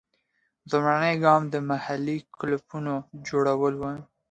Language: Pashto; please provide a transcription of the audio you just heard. لومړنی ګام د محلي کلوپونو جوړول وو.